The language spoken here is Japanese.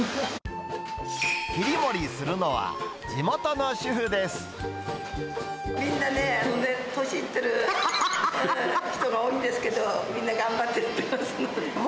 切り盛りするのは、地元の主みんなね、年いってる人が多いんですけど、みんな頑張ってやってますので。